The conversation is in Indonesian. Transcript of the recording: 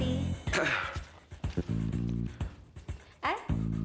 tadi aku ngapain ya